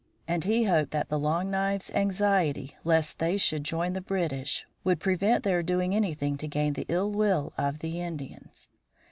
And he hoped that the Long Knives' anxiety lest they should join the British would prevent their doing anything to gain the ill will of the Indians.